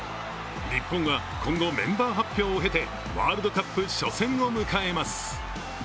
日本は今後、メンバー発表を経てワールドカップ初戦を迎えます。